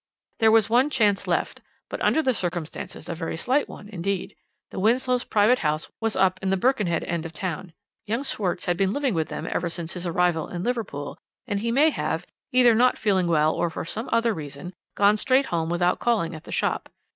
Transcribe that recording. "There was one chance left, but under the circumstances a very slight one indeed. The Winslows' private house was up the Birkenhead end of the town. Young Schwarz had been living with them ever since his arrival in Liverpool, and he may have either not feeling well or for some other reason gone straight home without calling at the shop.